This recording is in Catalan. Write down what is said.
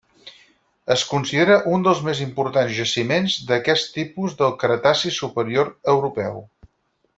Es considera un dels més importants jaciments d'aquest tipus del Cretaci Superior Europeu.